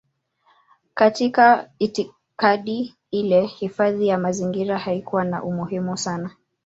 Katika itikadi ile hifadhi ya mazingira haikuwa na umuhimu sana.